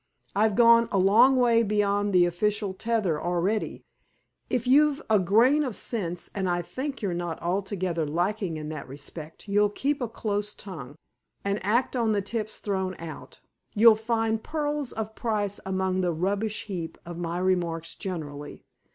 I've gone a long way beyond the official tether already. If you've a grain of sense, and I think you're not altogether lacking in that respect, you'll keep a close tongue, and act on the tips thrown out. You'll find pearls of price among the rubbish heap of my remarks generally.